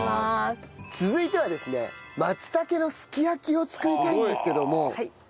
続いてはですね松茸のすき焼きを作りたいんですけども。